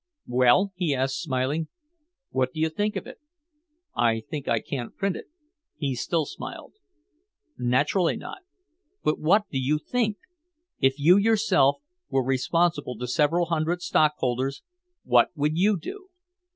"Well?" he asked, smiling. "What do you think of it?" "I think I can't print it." He still smiled. "Naturally not. But what do you think? If you yourself were responsible to several hundred stockholders, what would you do?